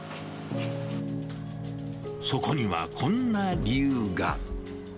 そこにはこんな理由が。